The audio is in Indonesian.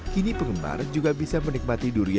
kini penggemar juga bisa menikmati durian